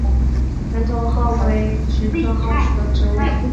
圆头蒿为菊科蒿属的植物。